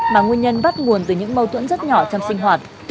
mà nguyên nhân bắt nguồn từ những mâu thuẫn rất nhỏ trong sinh hoạt